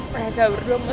saya cabur dong